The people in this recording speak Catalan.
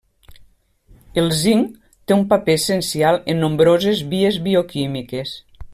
El zinc té un paper essencial en nombroses vies bioquímiques.